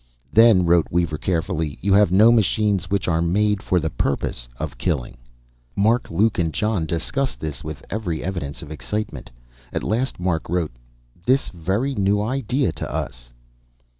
"Then," wrote Weaver carefully, "you have no machines which are made for the purpose of killing?" Mark, Luke and John discussed this with every evidence of excitement. At last Mark wrote, "This very new idea to us."